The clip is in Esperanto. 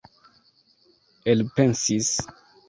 elpensis